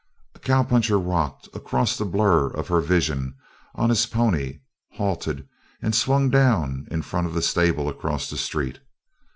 A cowpuncher rocked across the blur of her vision on his pony, halted, and swung down in front of the stable across the street.